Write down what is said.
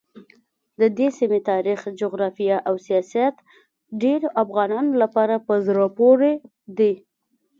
ددې سیمې تاریخ، جغرافیه او سیاست ډېرو افغانانو لپاره په زړه پورې دي.